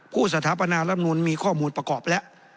ผู้สถาปนารัฐพนูญมีข้อมูลประกอบแล้ว